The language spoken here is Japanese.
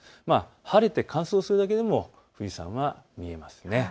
晴れて乾燥するだけでも富士山は見えます。